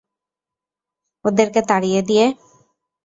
ওদেরকে তাড়িয়ে দিয়ে?